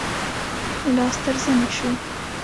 لاس تر زنې شو.